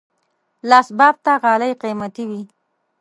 لاس بافته غالۍ قیمتي وي.